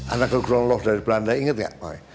anak anak ground love dari belanda inget nggak